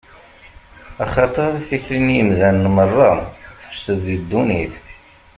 Axaṭer tikli n yemdanen meṛṛa tefsed di ddunit.